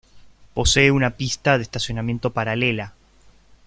Posee una pista de estacionamiento paralela.